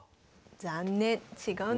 残念違うんです。